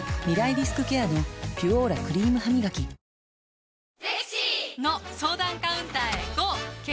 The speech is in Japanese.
リスクケアの「ピュオーラ」クリームハミガキ男性）